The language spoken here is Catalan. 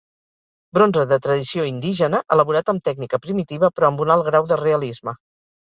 Bronze de tradició indígena, elaborat amb tècnica primitiva però amb un alt grau de realisme.